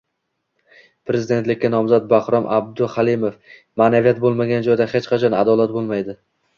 va, yana-da hayratlantirgani – o'n bir yoshlik jiyanim